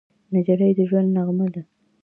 نجلۍ د ژونده نغمه ده.